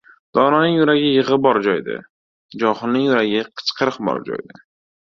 • Dononing yuragi yig‘i bor joyda, johilning yuragi qichqiriq bor joyda.